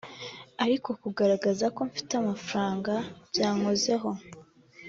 ariko kugaragaza ko mfite amafaranga byankozeho